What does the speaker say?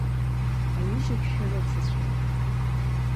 Аҩыџьагь шәарыцацәан.